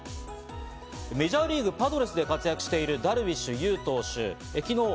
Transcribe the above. メジャーリーグ・パドレスで活躍しているダルビッシュ有投手。